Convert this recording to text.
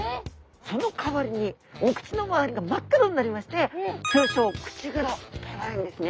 そのかわりにお口の周りが真っ黒になりまして通称「口黒」と呼ばれるんですね。